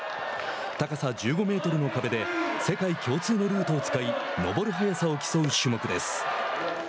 高さ１５メートルの壁で世界共通のルートを使い登る速さを競う種目です。